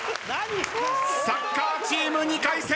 サッカーチーム２回戦。